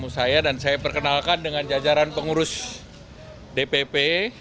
saya dan saya perkenalkan dengan jajaran pengurus dpp